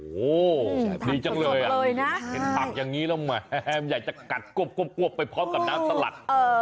โอ้โหดีจังเลยนะเห็นผักอย่างนี้แล้วแหมอยากจะกัดกวบไปพร้อมกับน้ำสลัด